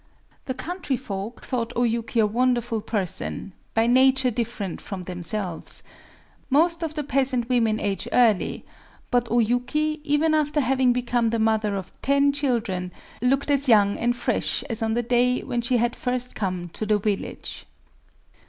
The country folk thought O Yuki a wonderful person, by nature different from themselves. Most of the peasant women age early; but O Yuki, even after having become the mother of ten children, looked as young and fresh as on the day when she had first come to the village.